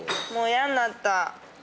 もうやんなった。